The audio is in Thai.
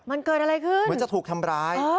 มันเกิดอะไรขึ้นเหมือนจะถูกทำร้าย